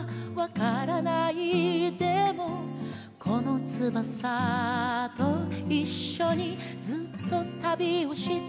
「このつばさと一緒にずっと旅をしてきた」